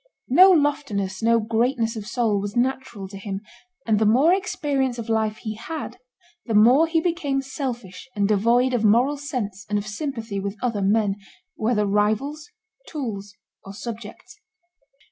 No loftiness, no greatness of soul, was natural to him; and the more experience of life he had, the more he became selfish and devoid of moral sense and of sympathy with other men, whether rivals, tools, or subjects.